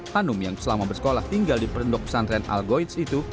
hanum yang selama bersekolah tinggal di perendok pesantren algoids itu